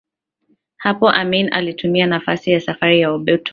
Hapo Amin alitumia nafasi ya safari ya Obote